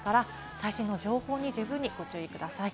最新の情報に十分にご注意ください。